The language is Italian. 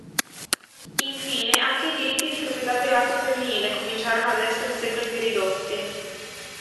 Infine anche i diritti di proprietà privata femminile cominciarono ad essere sempre più ridotti.